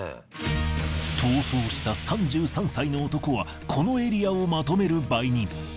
逃走した３３歳の男はこのエリアをまとめる売人。